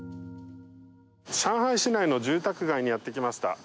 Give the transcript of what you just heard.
上海市内の住宅街にやってきました。